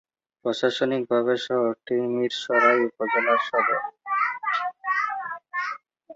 প্রশাসনিকভাবে শহরটি মীরসরাই উপজেলার সদর।